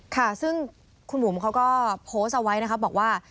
ค่ะซึ่งคุณบุ๋มเขาก็โพสต์เอาไว้นะครับบอกว่า